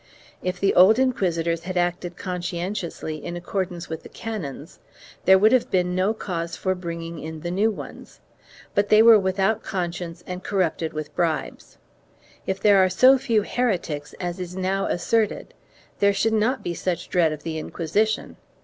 , If the old inquisitors had acted conscientiously in accordance with the canons there would have been no cause for bringing in the new ones, but they were without conscience and corrupted with bribes. * If there are so few heretics as is now asserted, there should not be such dread of the Inquisition.